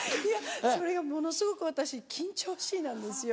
それがものすごく私緊張しぃなんですよ。